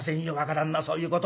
そういうことは。